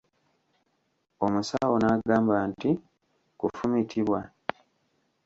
Omusawo n'agamba nti Kufumitibwa?